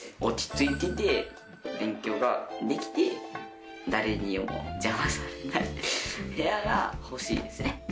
落ち着いてて勉強ができて誰にも邪魔されない部屋が欲しいですね。